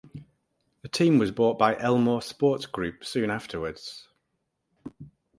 The team was bought by Elmore Sports Group soon afterwards.